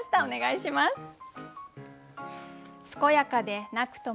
お願いします。